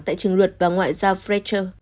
tại trường luật và ngoại giao fletcher